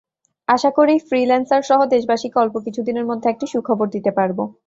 আশা করি, ফ্রিল্যান্সারসহ দেশবাসীকে অল্প কিছুদিনের মধ্যে একটি সুখবর দিতে পারব।